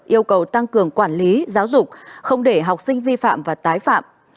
yêu cầu tăng cường quản lý giáo dục không để học sinh vi phạm và tái phạm